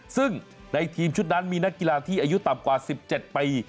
ซึ่งในทีมชุดนั้นมีนักกีฬาที่อายุต่ำกว่า๑๗ปี